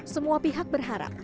semua pihak berharap